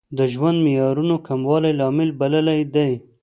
د ژوند معیارونو کموالی لامل بللی دی.